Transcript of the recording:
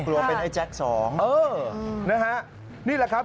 เป็นไอ้แจ็คสองเออนะฮะนี่แหละครับ